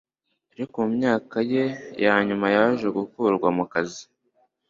ariko mu myaka ye ya nyuma yaje gukurwa mu kazi